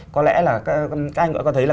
có lẽ là các anh có thấy là